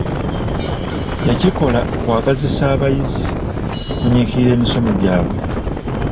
Yakikola kwagazisa abayizi okunyikirira emisomo gyabwe.